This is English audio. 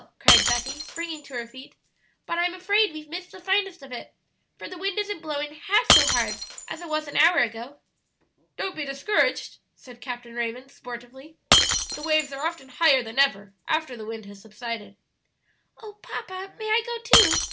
cried Betty, springing to her feet; "but I'm afraid we've missed the finest of it, for the wind isn't blowing half so hard as it was an hour ago." "Don't be discouraged," said Captain Raymond, sportively; "the waves are often higher than ever after the wind has subsided." "Oh, papa, may I go too?"